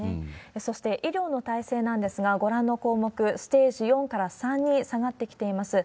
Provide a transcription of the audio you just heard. そして、医療の体制なんですが、ご覧の項目、ステージ４から３に下がってきています。